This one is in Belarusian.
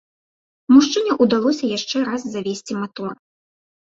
Мужчыне ўдалося яшчэ раз завесці матор.